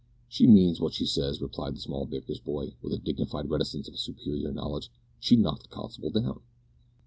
"She means wot she says," replied the small baker's boy with the dignified reticence of superior knowledge, "she knocked the constable down."